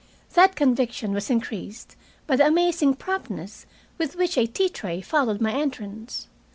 That conviction was increased by the amazing promptness with which a tea tray followed my entrance.